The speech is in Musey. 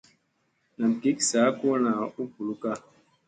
Nam gik saa kulna u bulukka.